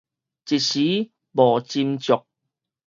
一時無斟酌